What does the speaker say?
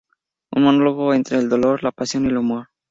Un monólogo entre el dolor, la pasión y el humor.